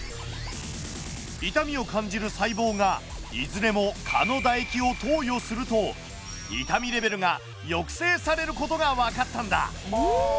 痛みを感じる細胞がいずれも蚊の唾液を投与すると痛みレベルが抑制されることが分かったんだ。